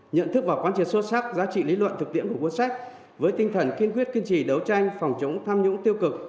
nhận thức và quan triệt sâu sắc giá trị lý luận thực tiễn của cuốn sách với tinh thần kiên quyết kiên trì đấu tranh phòng chống tham nhũng tiêu cực